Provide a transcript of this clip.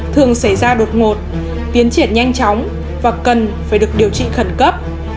thường xảy ra đột ngột tiến triển nhanh chóng và cần phải được điều trị khẩn cấp